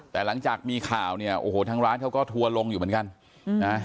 แต่หลังจากมีข่าวเนี่ยโอ้โหทางร้านเขาก็ทัวร์ลงอยู่เหมือนกันนะ